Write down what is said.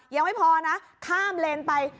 ยังไม่พอนะข้ามเลนไป